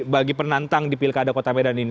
bagi penantang di pilkada kota medan ini